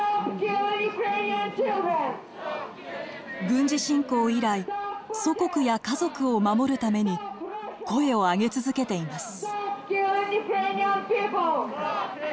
軍事侵攻以来祖国や家族を守るために声を上げ続けています。